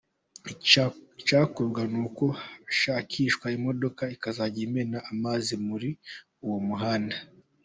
Icyakorwa n’uko hashakishwa imodoka ikazajya imena amazi muri uwo muhanda.